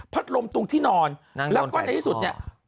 ลมตรงที่นอนแล้วก็ในที่สุดเนี่ย